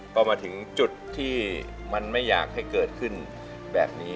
ก็มาถึงจุดที่มันไม่อยากให้เกิดขึ้นแบบนี้